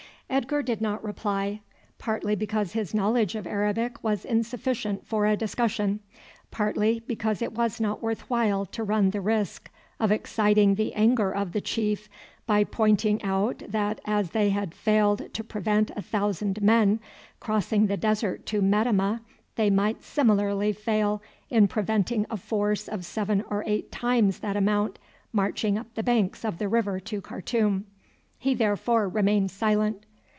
Edgar did not reply, partly because his knowledge of Arabic was insufficient for a discussion, partly because it was not worth while to run the risk of exciting the anger of the chief by pointing out that as they had failed to prevent a thousand men crossing the desert to Metemmeh, they might similarly fail in preventing a force of seven or eight times that amount marching up the banks of the river to Khartoum. He therefore remained silent.